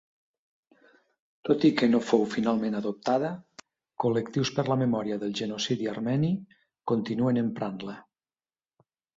Tot-i-que no fou finalment adoptada, col·lectius per la memòria del Genocidi armeni continuen emprant-la.